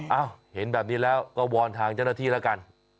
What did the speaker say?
เห็นแบบนี้แล้วก็วอนทางเจ้าหน้าที่แล้วกัน